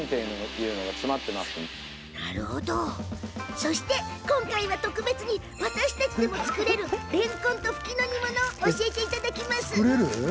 そして今回は特別に私たちでも作れるレンコンとフキの煮物を教えていただきます。